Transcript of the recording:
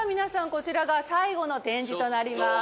こちらが最後の展示となります。